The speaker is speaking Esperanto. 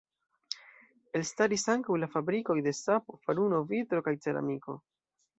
Elstaris ankaŭ la fabrikoj de sapo, faruno, vitro kaj ceramiko.